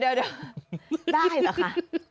ได้หรอคะ